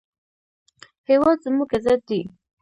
هېواد زموږ عزت دی